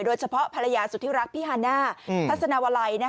โดยเฉพาะภรรยาสุทธิรักษ์พี่ฮันน่าพัศนาวาลัย